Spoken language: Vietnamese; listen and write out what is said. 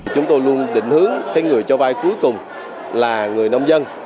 chúng tôi luôn định hướng thấy người cho vai cuối cùng là người nông dân